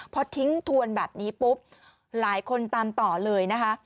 พอทิ้งทวนแบบนี้ปุ๊บหลายคนตามต่อเลยนะคะ